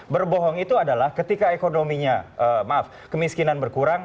berbohong itu adalah ketika ekonominya maaf kemiskinan berkurang